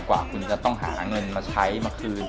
กว่าคุณจะต้องหาเงินมาใช้มาคืน